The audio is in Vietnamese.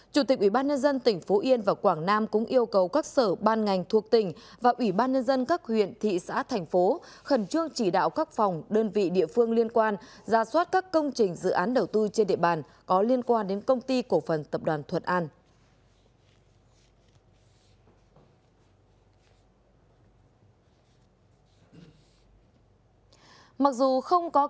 chủ tịch ủy ban nhân dân tỉnh phú yên và quảng nam cũng yêu cầu các sở ban ngành thuộc tỉnh và ủy ban nhân dân các huyện thị xã thành phố khẩn trương chỉ đạo các phòng đơn vị địa phương liên quan ra soát các công trình dự án đầu tư trên địa bàn có liên quan đến công ty cổ phần tập đoàn thuật an